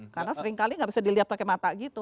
karena seringkali nggak bisa dilihat pakai mata gitu